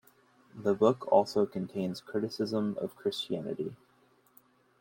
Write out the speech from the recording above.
The book also contains criticism of Christianity.